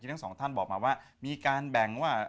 อย่างทั้ง๒ท่านบอกมาว่ามีการแบ่งว่า